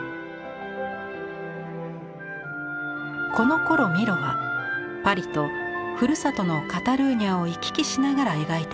このころミロはパリとふるさとのカタルーニャを行き来しながら描いていました。